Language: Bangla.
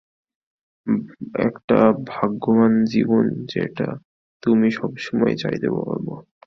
একটা ভাগ্যবান জীবন যেটা তুমি সবসময় চাইতে, বব।